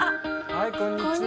はいこんにちは。